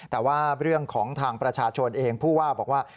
แต่ว่าเรื่องของทางประชาชนเองผู้ว่าบอกว่า